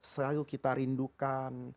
selalu kita rindukan